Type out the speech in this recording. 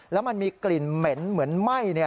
แล้วมันมีกลิ่นเหม็นเหมือนไหม้